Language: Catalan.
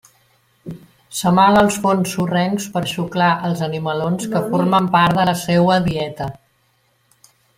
S'amaga als fons sorrencs per xuclar els animalons que formen part de la seua dieta.